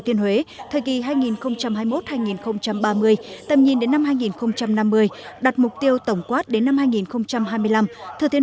thiên huế thời kỳ hai nghìn hai mươi một hai nghìn ba mươi tầm nhìn đến năm hai nghìn năm mươi đặt mục tiêu tổng quát đến năm hai nghìn hai mươi năm thừa thiên